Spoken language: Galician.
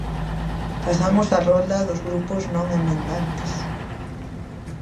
Pasamos á rolda dos grupos non emendantes.